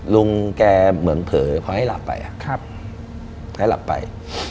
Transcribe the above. ลุงแกเหมือนเผลอพอให้หลับไปให้หลับไป